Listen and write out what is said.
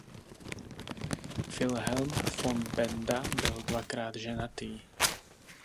Wilhelm von Benda byl dvakrát ženatý.